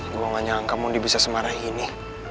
gue gak nyangka moni bisa semarahin ini